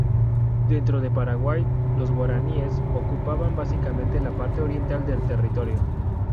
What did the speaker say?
Dentro de Paraguay los guaraníes ocupaban básicamente la parte oriental del territorio.